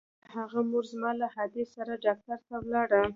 د هغه مور زما له ادې سره ډاکتر ته ولاړه.